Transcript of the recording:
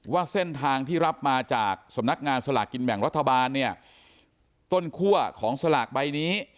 ว่าเส้นทางที่รับมาจากสำนักงานสลากกินแบ่งรัฐบาลเนี่ยต้นคั่วของสลากใบนี้